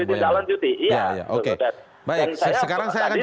artinya kan langsung ditindak lanjutin